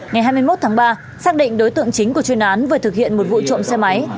ngày hai mươi một tháng ba xác định đối tượng chính của chuyên án vừa thực hiện một vụ trộm xe máy